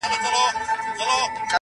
چېرته ليري په شنو غرونو كي ايسار وو!.